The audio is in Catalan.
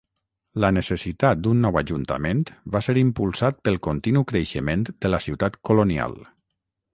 La necessitat d'un nou ajuntament va ser impulsat pel continu creixement de la ciutat colonial.